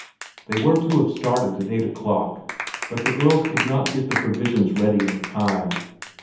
They were to have started at eight o'clock, but the girls could not get the provisions ready in time.